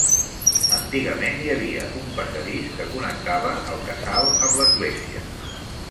Antigament hi havia un passadís que connectava el casal amb l'església.